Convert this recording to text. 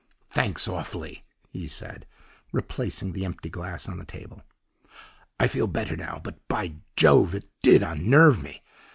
"'Thanks awfully,' he said, replacing the empty glass on the table. 'I feel better now but, by jove! it DID unnerve me.